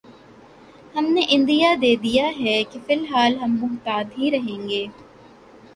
ہم نے عندیہ دے دیا ہے کہ فی الحال ہم محتاط ہی رہیں گے۔